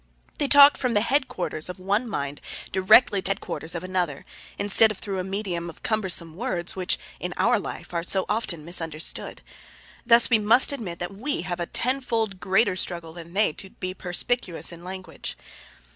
They talk from the headquarters of one mind directly to the headquarters of another, instead of through a medium of cumbersome words which in our life are so often misunderstood. Thus we must admit that we have a ten fold greater struggle than they to be perspicuous in language.